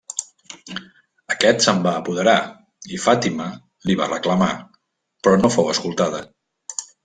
Aquest se'n va apoderar i Fàtima li va reclamar, però no fou escoltada.